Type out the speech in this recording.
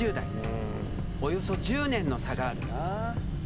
およそ１０年の差がある。